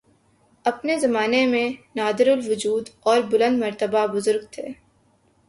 ۔ اپنے زمانہ میں نادرالوجود اور بلند مرتبہ بزرگ تھے